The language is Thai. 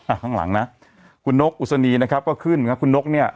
ข้างหลังนะคุณนกอุศนีนะครับก็ขึ้นครับคุณนกเนี่ย